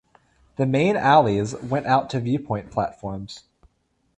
The main alleys went out to viewpoint platforms.